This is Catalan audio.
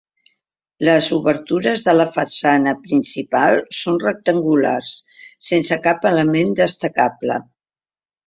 Les obertures de la façana principal són rectangulars, sense cap element destacable.